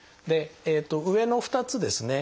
上の２つですね